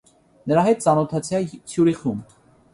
- Նրա հետ ծանոթացա Ցյուրիխում: